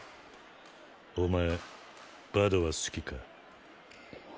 お前バドは好きか？